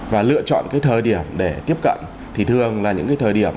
và lựa chọn thời điểm để tiếp cận thì thường là những thời điểm